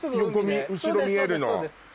後ろ見えるの。